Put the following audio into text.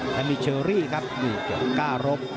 และมิเชอรี่ครับอยู่เกี่ยวก้ารบ